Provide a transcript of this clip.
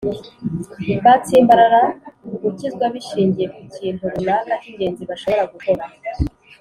batsimbarara ku gukizwa bishingiye ku kintu runaka cy’ingenzi bashobora gukora